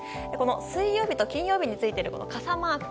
水曜と金曜についている傘マーク